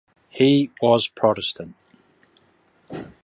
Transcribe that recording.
He was Protestant.